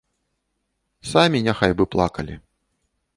Самі няхай бы плакалі.